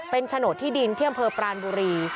เป็นโฉนดที่ดินที่อำเภอปรานบุรี